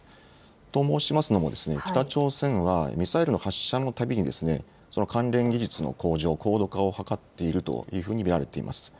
と申しますのも北朝鮮はミサイルの発射のたびに関連技術の向上、高度化を図っているというふうに見られています。